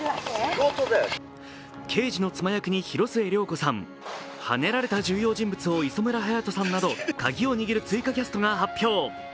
刑事の妻役に広末涼子さん、はねられた重要人物を磯村勇斗さんなどカギを握る追加キャストが発表。